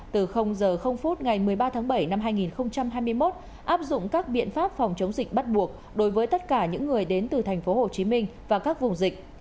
từ giờ phút ngày một mươi ba tháng bảy năm hai nghìn hai mươi một áp dụng các biện pháp phòng chống dịch bắt buộc đối với tất cả những người đến từ thành phố hồ chí minh và các vùng dịch